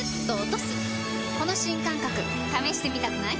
この新感覚試してみたくない？